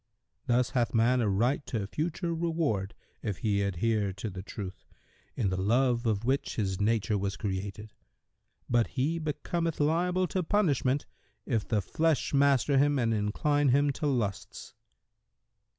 Thus hath man a right to future reward, if he adhere to the Truth, in the love of which his nature was created; but he becometh liable to punishment, if the flesh master him and incline him to lusts."